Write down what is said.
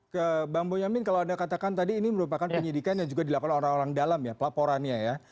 ke bang boyamin kalau anda katakan tadi ini merupakan penyidikan yang juga dilakukan orang orang dalam ya pelaporannya ya